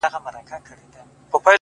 o د زړه په هر درب كي مي ته اوســېږې؛